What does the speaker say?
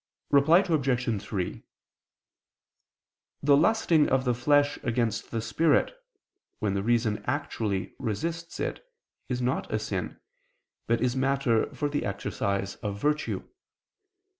Reply Obj. 3: The lusting of the flesh against the spirit, when the reason actually resists it, is not a sin, but is matter for the exercise of virtue.